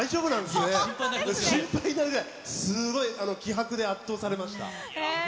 すごい気迫で圧倒されました。